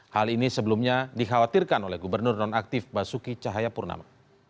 hal ini sebelumnya dikhawatirkan oleh gubernur nonaktif basuki cahayapurnama